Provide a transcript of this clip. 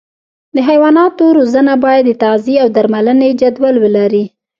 د حیواناتو روزنه باید د تغذیې او درملنې جدول ولري.